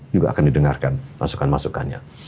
juga akan didengarkan masukan masukannya